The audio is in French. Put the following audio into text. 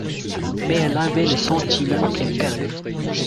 Mais elle avait le sentiment qu’elle perdait.